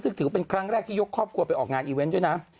ซึ่งถือว่าเป็นครั้งแรกที่ยกครอบครัวไปออกงานอีเวนต์ด้วยนะ